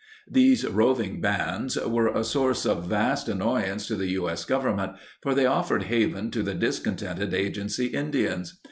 These roving bands were a source of vast annoy ance to the U.S. Government, for they offered haven 18 to discontented agency Indians.